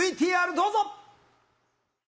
ＶＴＲどうぞ！